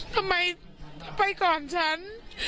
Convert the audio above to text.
ทำไมไปก่อนฉัน